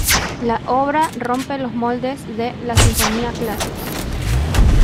La obra rompe los moldes de la sinfonía clásica.